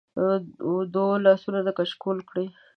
د وه لاسونه کچکول کړی